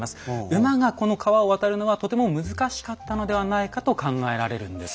馬がこの川を渡るのはとても難しかったのではないかと考えられるんです。